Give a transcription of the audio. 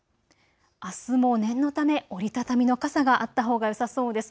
あすも念のため折り畳みの傘があったほうがよさそうです。